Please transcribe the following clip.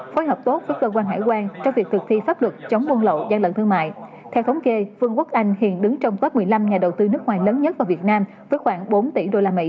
phối hợp tốt với cơ quan hải quan trong việc thực thi pháp luật chống buôn lậu gian lận thương mại